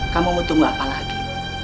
kamu mau tunggu apa lagi